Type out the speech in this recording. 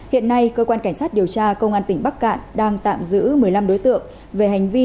hiện nay cơ quan cảnh sát điều tra công an tỉnh bắc cạn đang tạm giữ một mươi năm đối tượng